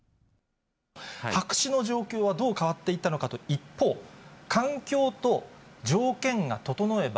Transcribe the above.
白紙の状況はどう変わっていったのかという一方、環境と条件が整えば、